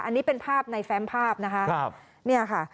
อันนี้เป็นภาพในแฟมภาพนะคะเนี่ยค่ะ